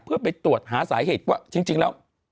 เพื่อไปตรวจหาสาเหตุว่าจริงแล้ว